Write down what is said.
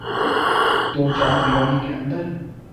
توچاردیواری کے اندر۔